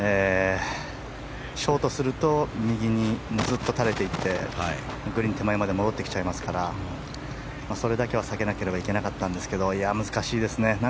ショートすると右にずっと垂れていってグリーンの手前まで戻ってきちゃいますからそれだけは避けなければいけなかったんですけれども難しいですね。